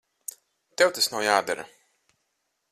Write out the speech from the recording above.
Tev tas nav jādara.